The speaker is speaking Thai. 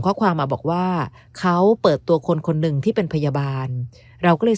ข้อความมาบอกว่าเขาเปิดตัวคนคนหนึ่งที่เป็นพยาบาลเราก็เลย